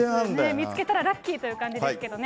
見つけたらラッキーという感じですけどね。